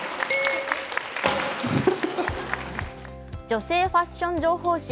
女性ファッション情報誌